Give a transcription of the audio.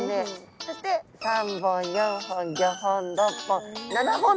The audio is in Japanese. そして３本４本５本６本７本とあります。